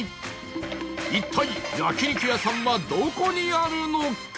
一体焼肉屋さんはどこにあるのか？